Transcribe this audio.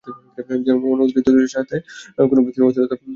যেমন, অতি দ্রুত চোখের নড়াচড়ার মধ্যে কোনো ব্যক্তির অস্থিরতার প্রকাশ থাকে।